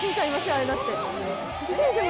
あれだって。